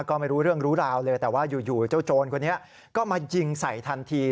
ก็ไม่รู้เรื่องรู้ราวเลยแต่ว่าอยู่เจ้าโจรคนนี้ก็มายิงใส่ทันที